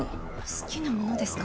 好きなものですか？